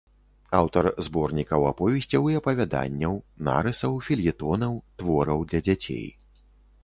Аўтар зборнікаў, аповесцяў і апавяданняў, нарысаў, фельетонаў, твораў для дзяцей.